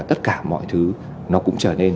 tất cả mọi thứ nó cũng trở nên